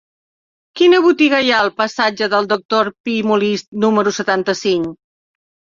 Quina botiga hi ha al passatge del Doctor Pi i Molist número setanta-cinc?